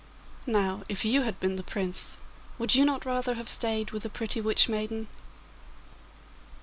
Now, if YOU had been the Prince, would you not rather have stayed with the pretty witch maiden?